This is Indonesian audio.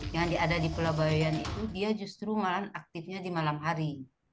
yang ada di pulau bayan itu dia justru malah aktifnya di malam hari